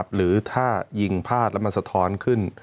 หรือถ้ายิงพลาดแล้วมันสะท้อนขึ้น